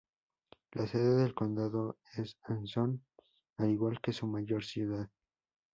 La sede del condado es Anson, al igual que su mayor ciudad.